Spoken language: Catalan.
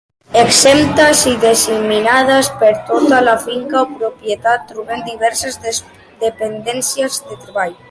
Exemptes i disseminades per tota la finca o propietat trobem diverses dependències de treball.